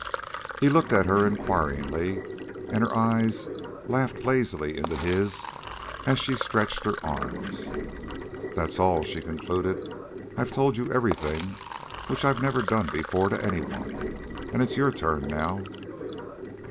He looked at her inquiringly, and her eyes laughed lazily into his as she stretched her arms. "That's all," she concluded. "I've told you everything, which I've never done before to any one. And it's your turn now."